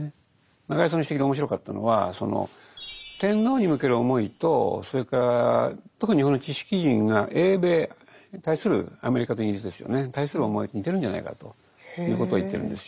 中井さんの指摘で面白かったのはその天皇に向ける思いとそれから特に日本の知識人が英米に対するアメリカとイギリスですよね対する思いと似てるんじゃないかということを言ってるんですよ。